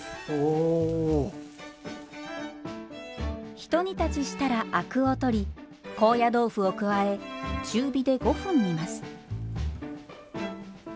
ひと煮立ちしたらアクを取り高野豆腐を加え中火で５分煮ます。